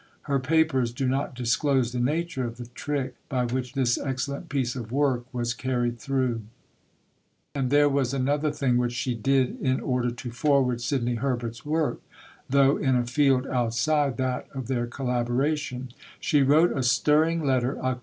Her papers do not disclose the nature of the "trick" by which this excellent piece of work was carried through. See Vol. I. p. 405. And there was another thing which she did in order to forward Sidney Herbert's work, though in a field outside that of their collaboration: she wrote a stirring letter (Oct.